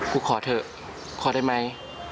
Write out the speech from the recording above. กูขอเถอะขอได้ไหม